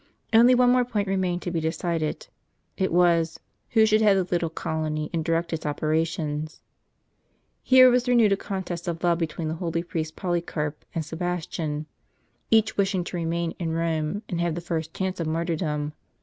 Only one more point remained to be decided : it was, who should head the little colony, and direct its operations. Here was renewed a contest of love between the holy priest Poly carp and Sebastian; each wishing to remain in Eome, and have the first chance . of martyrdom.